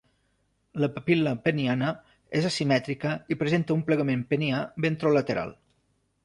La papil·la peniana és asimètrica i presenta un plegament penià ventrolateral.